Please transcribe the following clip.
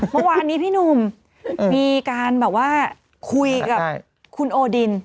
เมื่อวานนี้พี่หนุ่มมีการแบบว่าคุยกับคุณโอดิน